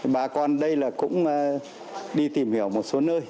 bà con đây là cũng đi tìm hiểu một số nơi